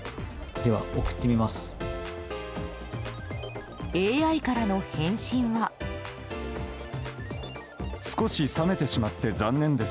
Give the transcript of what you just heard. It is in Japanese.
では、送ってみます。